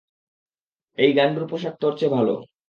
এই গান্ডুর পোশাক তোর চেয়ে ভালো।